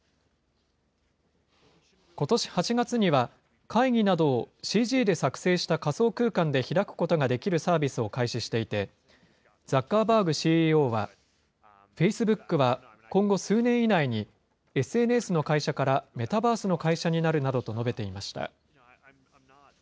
ことし８月には、会議などをＣＧで作成した仮想空間で開くことができるサービスを開始していて、ザッカーバーグＣＥＯは、フェイスブックは今後数年以内にＳＮＳの会社からメタバースの会社になるなどと述べていました。